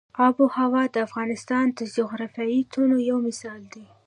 آب وهوا د افغانستان د جغرافیوي تنوع یو مثال دی.